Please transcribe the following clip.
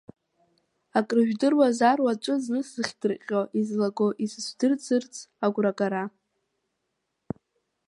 Акрыжәдыруазар уаҵәы зны сзыхдырҟьо, изалаго исыцәдырӡырц агәрагара?